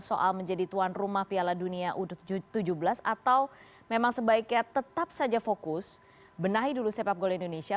soal menjadi tuan rumah piala dunia u tujuh belas atau memang sebaiknya tetap saja fokus benahi dulu sepak bola indonesia